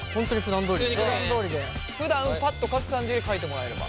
ふだんパッと書く感じで書いてもらえれば。